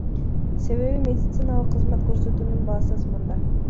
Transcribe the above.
Себеби медициналык кызмат көрсөтүүнүн баасы асманда.